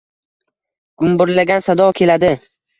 Gumburlagan sado keladi